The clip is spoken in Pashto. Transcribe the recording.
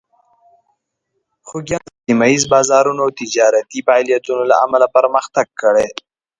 خوږیاڼي د خپل سیمه ییز بازارونو او تجارتي فعالیتونو له امله پرمختګ کړی.